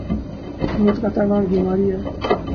بہت خطرناک بیماری ہے۔